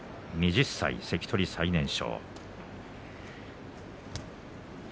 ２０歳、関取最年少。